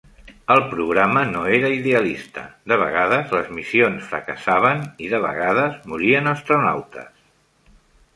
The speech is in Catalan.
El programa no era idealista; de vegades les missions fracassaven i de vegades morien astronautes.